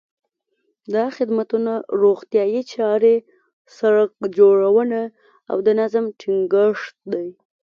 دا خدمتونه روغتیايي چارې، سړک جوړونه او د نظم ټینګښت دي.